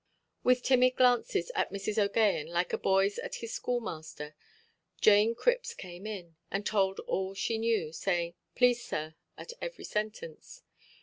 With timid glances at Mrs. OʼGaghan, like a boyʼs at his schoolmaster, Jane Cripps came in, and told all she knew, saying "please sir", at every sentence.